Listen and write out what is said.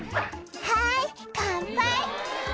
「はい乾杯」